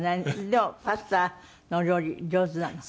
でもパスタのお料理上手なの？